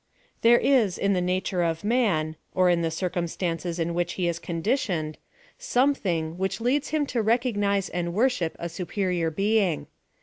Thert is in the nature of man, or in the circum scanccs in which he is conditioned, something' which leads liinito recognize and worship a superior hcin^r.